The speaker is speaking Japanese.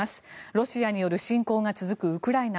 ロシアによる侵攻が続くウクライナ。